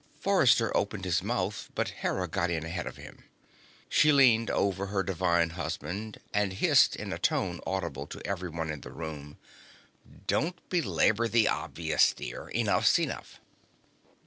Forrester opened his mouth, but Hera got in ahead of him. She leaned over to her divine husband and hissed, in a tone audible to everyone in the room: "Don't belabor the obvious, dear. Enough's enough."